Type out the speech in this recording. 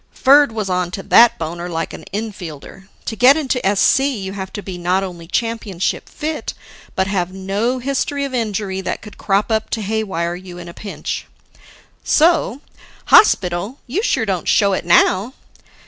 Ferd was onto that boner like an infielder. To get into SC you have to be not only championship fit, but have no history of injury that could crop up to haywire you in a pinch. So, "Hospital? You sure don't show it now."